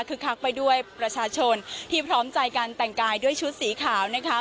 คือคักไปด้วยประชาชนที่พร้อมใจการแต่งกายด้วยชุดสีขาวนะคะ